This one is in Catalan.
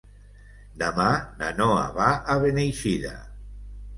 Demà na Noa va a Beneixida.